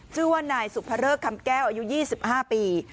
ชื่อว่านายสุภเริกคำแก้วอายุ๒๕ปี